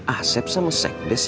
ahsep sama sekdes